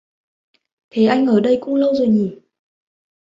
Thế anh ở đây cũng lâu rồi nhỉ